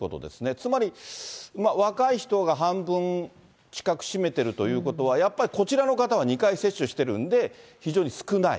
つまり、若い人が半分近く占めてるということは、やっぱりこちらの方は２回接種してるんで、非常に少ない。